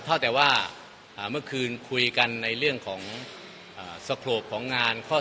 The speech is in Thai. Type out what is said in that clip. เท่าแต่ว่าเมื่อคืนคุยกันในเรื่องของ